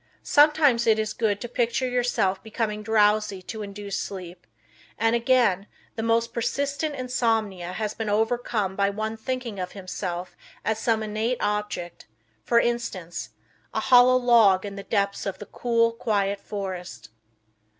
Sometimes it is good to picture yourself becoming drowsy to induce sleep, and, again, the most persistent insomnia has been overcome by one thinking of himself as some inanimate object for instance, a hollow log in the depths of the cool, quiet forest.